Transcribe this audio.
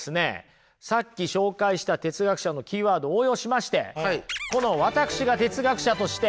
さっき紹介した哲学者のキーワードを応用しましてこの私が哲学者として。